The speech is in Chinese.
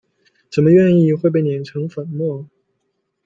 怎么愿意会被碾成粉末？